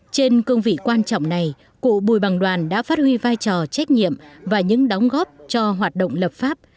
trên cương vị quan trọng này cụ bùi bằng đoàn đã phát huy vai trò trách nhiệm và những đóng góp cho hoạt động lập pháp